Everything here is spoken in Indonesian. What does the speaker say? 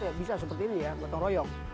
ya bisa seperti ini ya gotong royong